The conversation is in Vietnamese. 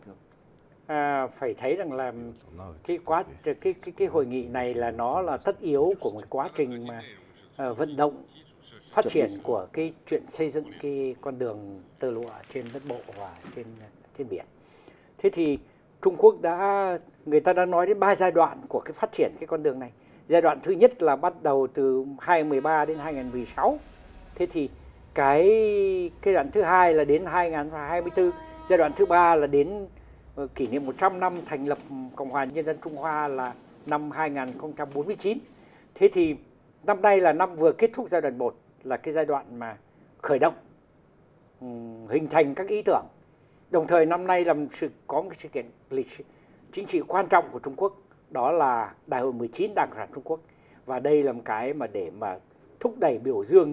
phải thấy rằng là cái hội nghị này là nó là tất yếu của một quá trình vận động phát triển của cái chuyện xây dựng cái con đường tơ lụa trên đất bộ và trên biển